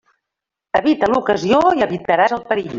Evita l'ocasió i evitaràs el perill.